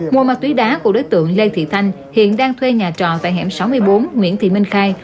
mua ma túy đá của đối tượng lê thị thanh hiện đang thuê nhà trọ tại hẻm sáu mươi bốn nguyễn thị minh khai